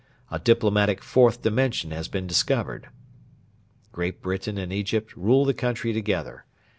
A diplomatic 'Fourth Dimension' has been discovered. Great Britain and Egypt rule the country together.